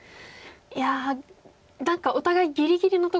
いや何かお互いぎりぎりのところで。